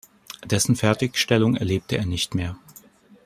Dessen Fertigstellung erlebte er nicht mehr.